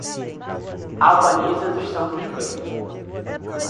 Albaniza dos Santos Brito